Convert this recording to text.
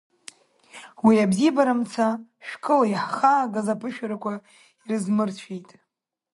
Уи абзиабара мца шәкыла иаҳхаагаз аԥышәарақәа ирызмырцәеит.